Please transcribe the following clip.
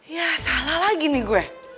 ya salah lagi nih gue